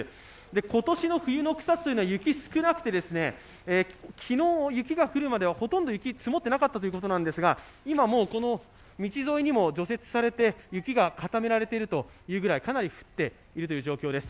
今年の冬の草津は雪が少なくて、昨日、雪が降るまではほとんど雪は積もっていなかったということなんですが、今もう道沿いにも除雪されて雪が固められているというぐらいかなり降っている状況です。